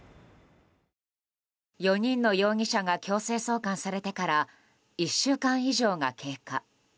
４人の容疑者が強制送還されてから１週間以上が経過。